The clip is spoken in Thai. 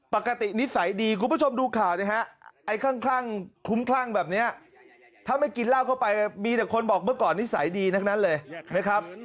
ปกตินิสัยดีคุณผู้ชมดูข่าวนะฮะไอ้คลั่งคลุ้มคลั่งแบบนี้ถ้าไม่กินเหล้าเข้าไปมีแต่คนบอกเมื่อก่อนนิสัยดีทั้งนั้นเลยนะครับ